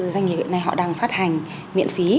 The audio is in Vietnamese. doanh nghiệp hiện nay họ đang phát hành miễn phí